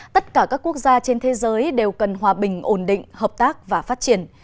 tất cả các quốc gia trên thế giới đều cần hòa bình ổn định hợp tác và phát triển